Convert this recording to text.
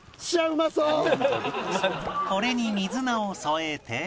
これに水菜を添えて